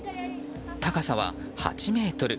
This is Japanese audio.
高さは８ｍ。